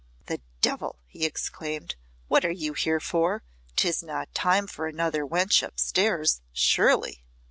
"The Devil!" he exclaimed "what are you here for? 'Tis not time for another wench upstairs, surely?"